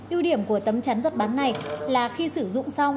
ưu điểm của tấm chắn giọt bán này là khi sử dụng xong